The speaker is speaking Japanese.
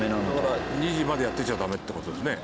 だから２時までやってちゃダメって事ですね。